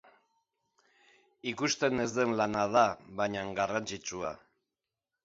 Ikusten ez den lana da, baina garrantzitsua.